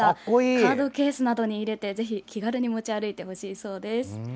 カードケースなどに入れてぜひ気軽に持ち歩いてほしいそうです。